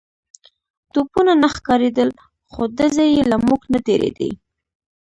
توپونه نه ښکارېدل خو ډزې يې له موږ نه تېرېدې.